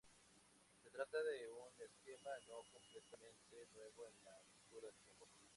Se trata de un esquema no completamente nuevo en la cultura del tiempo.